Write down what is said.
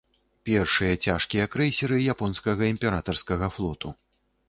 Першыя цяжкія крэйсеры японскага імператарскага флоту.